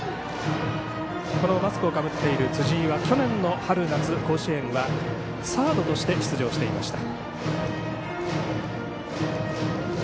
マスクをかぶっている辻井は去年の春夏甲子園はサードとして出場していました。